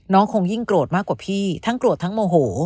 คงยิ่งโกรธมากกว่าพี่ทั้งโกรธทั้งโมโห